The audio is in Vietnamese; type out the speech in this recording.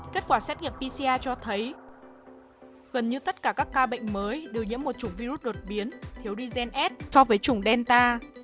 kết quả xét nghiệm pcr cho thấy gần như tất cả các ca bệnh mới đều nhiễm một chủng virus đột biến thiếu digns so với chủng delta